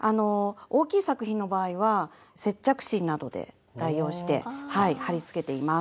大きい作品の場合は接着芯などで代用して貼りつけています。